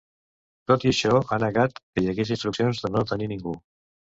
Tot i això, ha negat que hi hagués instruccions de no detenir ningú.